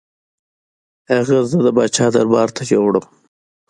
هغه زه د پاچا دربار ته یووړم.